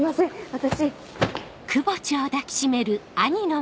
私。